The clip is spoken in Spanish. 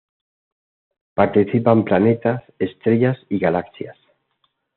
Participan planetas, estrellas y galaxias.